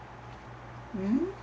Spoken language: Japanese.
うん？